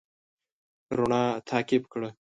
رڼا تعقيب کړه.